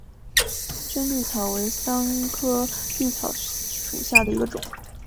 滇葎草为桑科葎草属下的一个种。